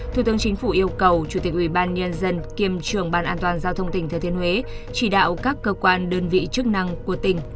thủ tướng chính phủ yêu cầu chủ tịch ubnd kiêm trường ban an toàn giao thông tỉnh thừa thên huế chỉ đạo các cơ quan đơn vị chức năng của tỉnh